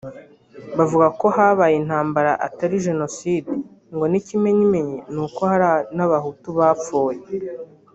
Bavuga ko habaye intambara atari Jenoside ngo n’ikimenyimenyi ni uko hari n’Abahutu bapfuye